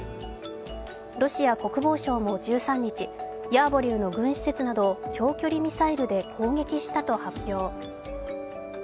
ロシア国防省も１３日、ヤーヴォリウの軍施設などを長距離ミサイルで攻撃したと発表。